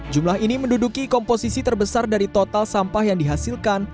jumlah ini menduduki komposisi terbesar dari total sampah yang dihasilkan